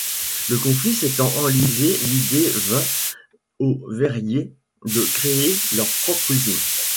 Le conflit s’étant enlisé, l’idée vint aux verriers de créer leur propre usine.